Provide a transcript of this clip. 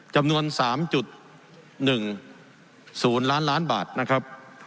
จำนวนสามจุดหนึ่งศูนย์ล้านล้านบาทนะครับ